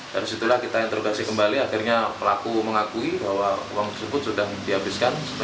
dari situlah kita interogasi kembali akhirnya pelaku mengakui bahwa uang tersebut sudah dihabiskan